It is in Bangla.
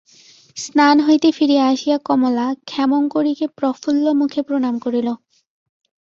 স্নান হইতে ফিরিয়া আসিয়া কমলা ক্ষেমংকরীকে প্রফুল্লমুখে প্রণাম করিল।